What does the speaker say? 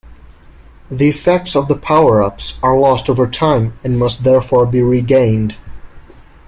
The effects of the power-ups are lost over time and must therefore be regained.